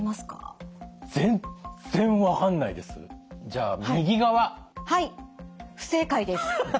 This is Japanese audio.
じゃあはい不正解です。